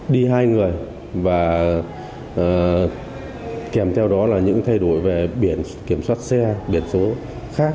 đi hai người và kèm theo đó là những thay đổi về biển kiểm soát xe biển số khác